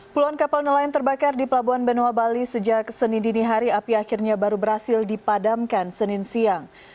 puluhan kapal nelayan terbakar di pelabuhan benoa bali sejak senin dini hari api akhirnya baru berhasil dipadamkan senin siang